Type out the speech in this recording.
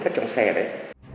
thất trong xe đấy